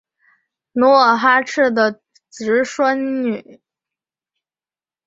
努尔哈赤的侄孙女。